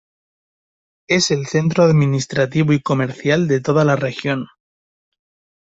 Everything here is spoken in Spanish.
Es el centro administrativo y comercial de toda la región.